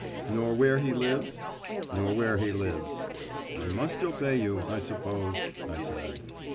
"Nor where he lives?" "Nor where he lives." "I must obey you, I suppose," I said.